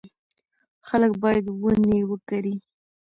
خلک باید ونې وکري.